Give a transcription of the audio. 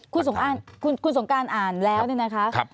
คุณสงการคุณสงการอ่านแล้วนี่นะคะครับ